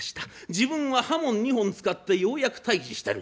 自分は刃物２本使ってようやく退治してる。